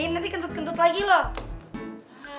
nanti kentut kentut lagi loh